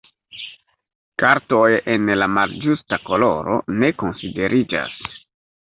Kartoj en la malĝusta koloro, ne konsideriĝas.